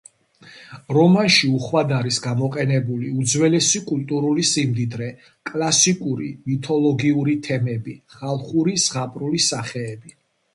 რომანში უხვად არის გამოყენებული უძველესი კულტურული სიმდიდრე: კლასიკური მითოლოგიური თემები, ხალხური ზღაპრული სახეები.